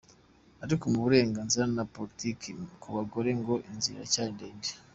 Ariko mu burenganzira na politiki ku mugore ngo inzira iracyari ndende.